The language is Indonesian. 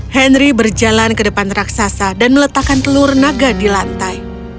henry berjalan ke depan raksasa dan meletakkan telur naga di lantai